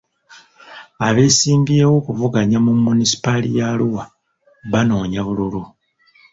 Abeesimbyewo okuvuganya mu Munisipaali ya Arua banoonya bululu.